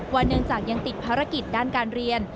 เนื่องจากยังติดภารกิจด้านการเรียน